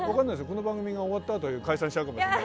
この番組が終わったあと解散しちゃうかもしれない。